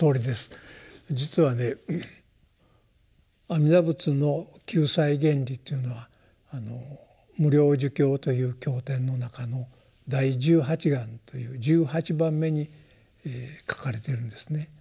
阿弥陀仏の救済原理というのは「無量寿経」という経典の中の第十八願という１８番目に書かれてるんですね。